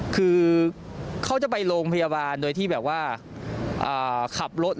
คือเขาจะไปโรงพยาบาลโดยที่แบบว่าขับรถ